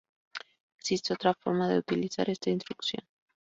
Existe otra forma de utilizar esta instrucción.